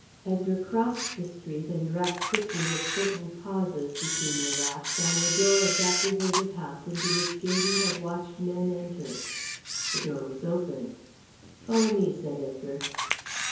Edgar crossed the street and rapped quickly with certain pauses between the raps on the door of that deserted house into which Gaydon had watched men enter. The door was opened. "Follow me," said Edgar.